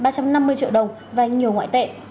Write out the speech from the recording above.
ba trăm năm mươi triệu đồng và nhiều ngoại tệ